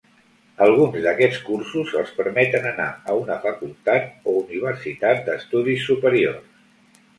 Alguns d'aquests cursos els permeten anar a una facultat o universitat d'estudis superiors.